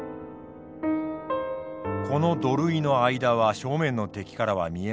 この土塁の間は正面の敵からは見えません。